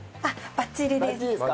バッチリですか？